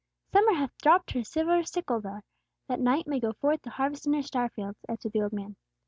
"Summer hath dropped her silver sickle there, that Night may go forth to harvest in her star fields," answered the old man.